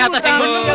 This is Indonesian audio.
ternyata di ngutang